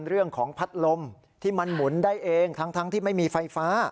เรื่องของพัดลมที่มันหมุนได้เองทั้งที่ไม่มีไฟฟ้า